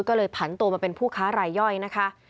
ก็เลยผันตัวมาเป็นผู้ค้ารายย่อยนะคะ